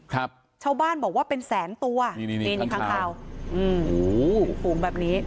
ครับชาวบ้านบอกว่าเป็นแสนตัวนี่นี่ข้างคาวอืมโอ้โหฝูงแบบนี้